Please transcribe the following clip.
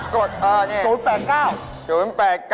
กดนี่เหรอ๐๘๙